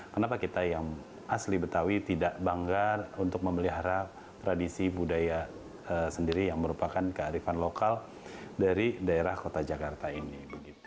kenapa kita yang asli betawi tidak banggar untuk memelihara tradisi budaya sendiri yang merupakan kearifan lokal dari daerah kota jakarta ini